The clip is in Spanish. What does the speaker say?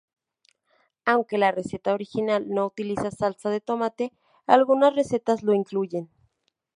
Aunque la receta original no utiliza salsa de tomate, algunas recetas la incluyen.